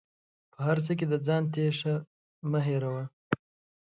په هر څه کې د ځان تيشه مه وهه